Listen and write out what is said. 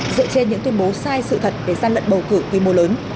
dựa trên những tuyên bố sai sự thật về gian lận bầu cử quy mô lớn